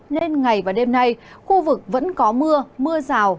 nên ngày và đêm nay khu vực vẫn có mưa mưa rào